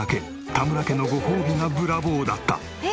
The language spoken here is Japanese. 田村家のごほうびがブラボーだった。